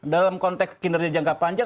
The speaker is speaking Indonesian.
dalam konteks kinerja jangka panjang